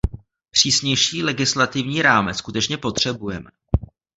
Přísnější legislativní rámec skutečně potřebujeme.